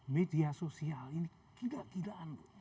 media sosial ini giga gigaan